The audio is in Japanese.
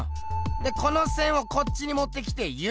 でこの線をこっちにもってきて「Ｕ」。